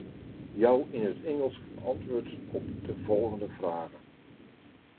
Jou yn it Ingelsk antwurd op de folgjende fragen.